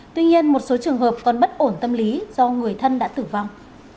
tuy nhiên một số trường hợp còn bất ổn tâm lý do người thân đã tử vong